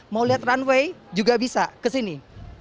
mau lihat runway juga bisa ke sini